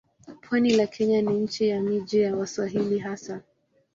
Pwani la Kenya ni nchi ya miji ya Waswahili hasa.